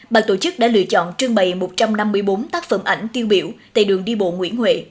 bàn tổ chức đã lựa chọn trưng bày một trăm năm mươi bốn tác phẩm ảnh tiêu biểu tại đường đi bộ nguyễn huệ